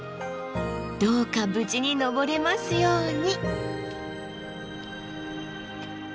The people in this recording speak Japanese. どうか無事に登れますように。